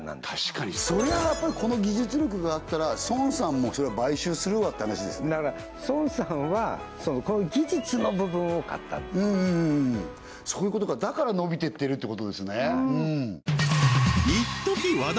確かにそりゃやっぱりこの技術力があったら孫さんもそりゃ買収するわって話ですねだから孫さんはこの技術の部分を買ったんですうんうんうんうんそういうことかだから伸びてってるってことですね